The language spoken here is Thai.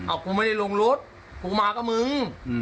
เอากูไม่ได้ลงรถกูมาก็มึง